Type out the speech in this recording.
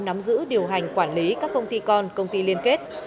nắm giữ điều hành quản lý các công ty con công ty liên kết